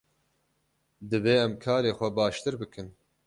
Divê em karê xwe baştir bikin.